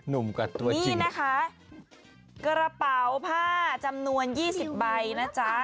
นี่นะคะกระเป๋าผ้าจำนวน๒๐ใบนะจ๊ะ